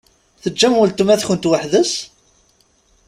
Teǧǧamt weltma-tkent weḥd-s?